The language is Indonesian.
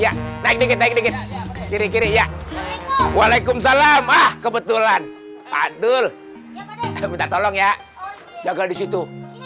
ya naik dikit dikit kiri kiri ya waalaikumsalam ah kebetulan padul minta tolong ya jaga disitu